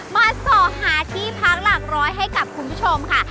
ส่อหาที่พักหลักร้อยให้กับคุณผู้ชมค่ะ